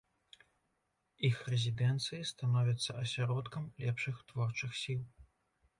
Іх рэзідэнцыі становяцца асяродкам лепшых творчых сіл.